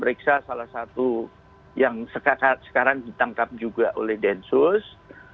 periksa salah satu yang sekarang ditangkap juga oleh densus